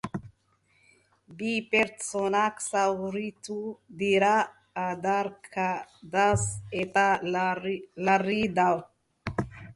Bi pertsona zauritu dira adarkadaz, eta larri daude.